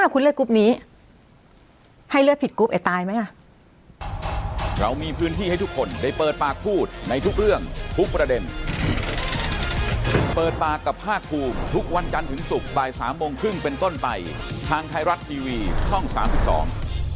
คุณเลือกกรุ๊ปนี้ให้เลือดผิดกรุ๊ปไอตายไหมอ่ะ